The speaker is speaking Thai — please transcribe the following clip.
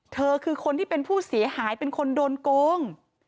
เธอคือคนที่เป็นผู้เสียหายเป็นคนโดนโกง